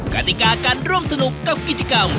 กติกาการร่วมสนุกกับกิจกรรม